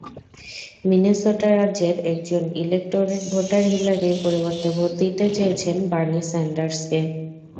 Minnesota রাজ্যের একজন electorate voter হিলারির পরিবর্তে ভোট দিতে চেয়েছেন বার্নি স্যান্ডার্সকে।